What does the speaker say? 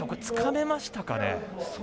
つかめましたかね。